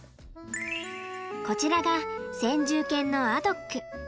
こちらが先住犬のアドック。